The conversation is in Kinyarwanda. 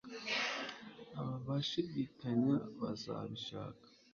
Abashidikanya bazabishaka